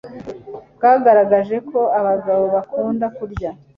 bwagaragaje ko abagabo bakunda kurya